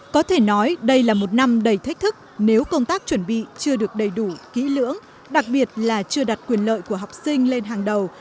có thể nói đây là một năm đầy thách thức nếu công tác chuẩn bị chưa được đầy đủ kỹ lưỡng đặc biệt là chưa đặt quyền lợi của học sinh lên hàng đầu